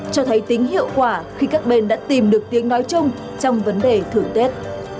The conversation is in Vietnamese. cho thấy tính hiệu quả khi các bên đã tìm được tiếng nói chung trong vấn đề thưởng tết